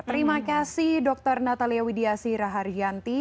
terima kasih dr natalia widiasi raharyanti